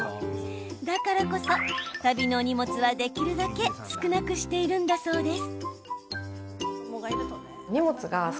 だからこそ、旅の荷物はできるだけ少なくしているんだそうです。